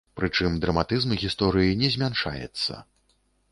Прычым, драматызм гісторыі не змяншаецца.